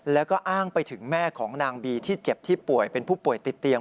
แล้วก็อ้างไปถึงแม่ของนางบีที่เจ็บที่ป่วยเป็นผู้ป่วยติดเตียง